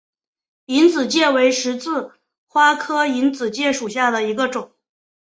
隐子芥为十字花科隐子芥属下的一个种。